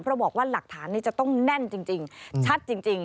เพราะบอกว่าหลักฐานนี้จะต้องแน่นจริงชัดจริง